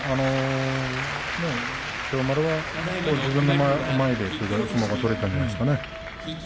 千代丸は自分の間合いで相撲が取れたんじゃないですかね。